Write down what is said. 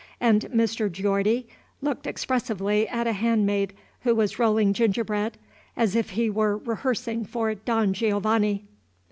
And Mr. Geordie looked expressively at a handmaid who was rolling gingerbread, as if he were rehearsing for "Don Giovanni."